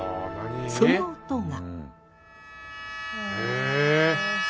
その音が。